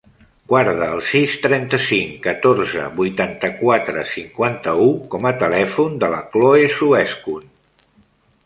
Guarda el sis, trenta-cinc, catorze, vuitanta-quatre, cinquanta-u com a telèfon de la Khloe Suescun.